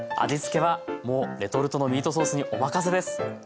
味付けはもうレトルトのミートソースにお任せです。